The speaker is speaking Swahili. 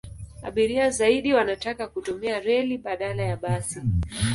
Abiria zaidi wanataka kutumia reli badala ya basi.